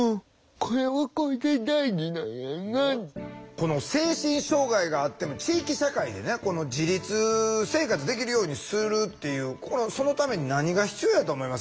この精神障害があっても地域社会でね自立生活できるようにするっていうそのために何が必要やと思います？